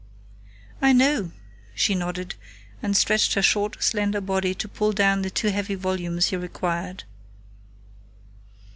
"I know," she nodded, and stretched her short, slender body to pull down the two heavy volumes he required.